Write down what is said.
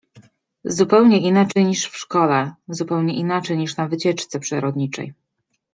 Zupełnie inaczej niż w szkole, zupełnie inaczej niż na wycieczce przyrodniczej.